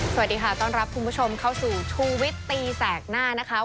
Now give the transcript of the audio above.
สวัสดีค่ะต้อนรับคุณผู้ชมเข้าสู่ชูวิตตีแสกหน้านะคะ